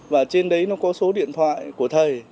và trên đấy nó có số điện thoại của thầy